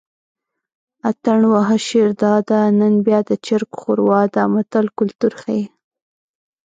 اتڼ وهه شیرداده نن بیا د چرګ ښوروا ده متل کولتور ښيي